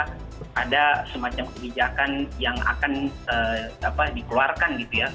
karena itu yang penting untuk pemerintah ketika ada semacam kebijakan yang akan dikeluarkan gitu ya